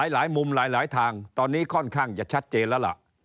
หลายมุมหลายทางตอนนี้ค่อนข้างจะชัดเจนแล้วล่ะ